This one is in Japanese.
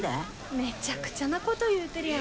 めちゃくちゃなこと言うてるやん。